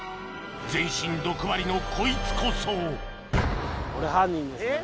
全身毒針のこいつこそこれ犯人ですね。